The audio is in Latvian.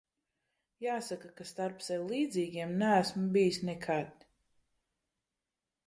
Jāsaka, ka starp sev līdzīgiem neesmu bijis nekad.